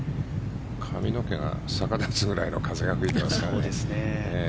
髪の毛が逆立つぐらいの風が吹いていますからね。